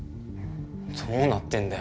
どうなってんだよ